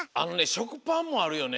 しょくパンもあるよね。